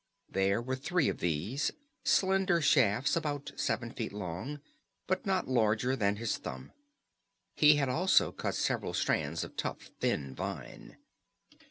There were three of these, slender shafts about seven feet long, but not larger than his thumb. He had also cut several strands of tough, thin vine.